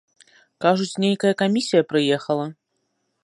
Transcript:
Кажуць, нейкая камісія прыехала?